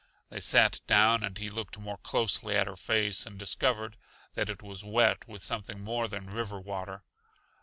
They sat down, and he looked more closely at her face and discovered that it was wet with something more than river water.